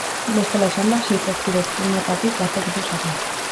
Bestela esanda, sei-zazpi dezimotatik batek du saria.